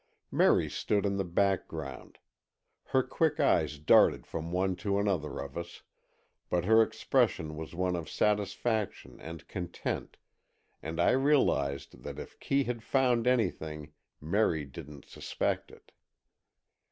Merry stood in the background. Her quick eyes darted from one to another of us, but her expression was one of satisfaction and content, and I realized that if Kee had found anything, Merry didn't suspect it.